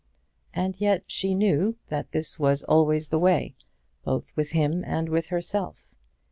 And yet she knew that this was always the way, both with him and with herself.